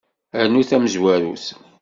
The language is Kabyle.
Rnu tamezwarut.